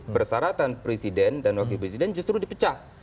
persyaratan presiden dan wakil presiden justru dipecah